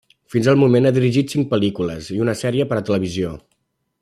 Fins al moment ha dirigit cinc pel·lícules i una sèrie per a televisió.